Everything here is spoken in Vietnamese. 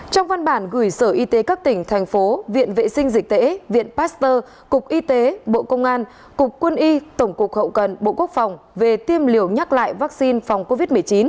trong văn bản gửi sở y tế các tỉnh thành phố viện vệ sinh dịch tễ viện pasteur cục y tế bộ công an cục quân y tổng cục hậu cần bộ quốc phòng về tiêm liều nhắc lại vaccine phòng covid một mươi chín